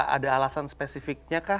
ada alasan spesifiknya kah